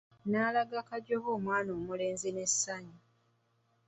N'alaga Kajoba omwana omulenzi n'essanyu.